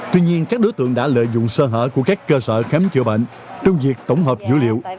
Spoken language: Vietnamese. tuy nhiên các đối tượng đã lợi dụng sơ hở của các cơ sở khám chữa bệnh trong việc tổng hợp dữ liệu